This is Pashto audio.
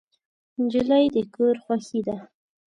نجلۍ د کور خوښي ده.